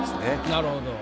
なるほど。